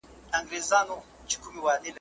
ماته لېونتوب د ښار کوڅي کوڅې اور کړي دي `